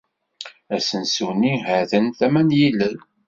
Asensu-nni ha-t-an tama n yilel.